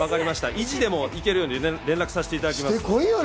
意地でも行けるように連絡させていただきます。